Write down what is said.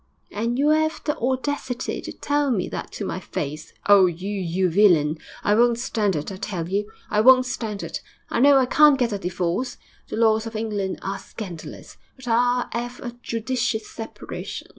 'And you 'ave the audacity to tell me that to my face! Oh, you you villain! I won't stand it, I tell you; I won't stand it. I know I can't get a divorce the laws of England are scandalous but I'll 'ave a judicious separation....